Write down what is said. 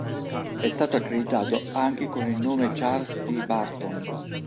È stato accreditato anche con il nome Charles T. Barton.